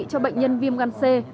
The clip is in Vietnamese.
cho bệnh nhân viêm gan c